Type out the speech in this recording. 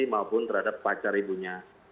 maupun terhadap pacar ibunya